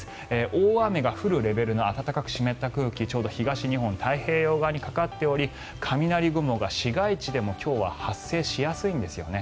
大雨が降るレベルの暖かく湿った空気がちょうど東日本の太平洋側にかかっており雷雲が市街地でも今日は発生しやすいんですよね。